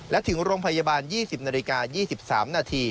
และถึงโรงพยาบาล๒๐น๒๓น